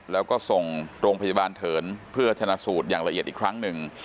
แล้วก็ส่งโรงพยาบาลเถินเพื่อชนะสูตรอย่างละเอียดอีกครั้งหนึ่ง